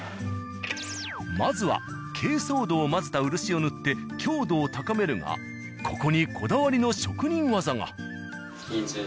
まずは珪藻土を混ぜた漆を塗って強度を高めるがここにこだわりの職人技が。